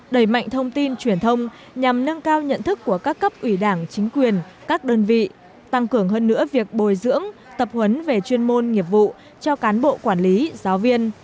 đẩy mạnh thông tin truyền thông nhằm nâng cao nhận thức của các cấp ủy đảng chính quyền các đơn vị tăng cường hơn nữa việc bồi dưỡng tập huấn về chuyên môn nghiệp vụ cho cán bộ quản lý giáo viên